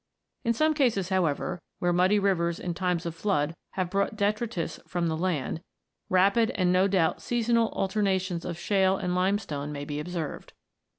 In some cases, however, where muddy rivers in times of flood have brought in detritus from the land, rapid and no doubt seasonal alternations of shale and limestone may be observed.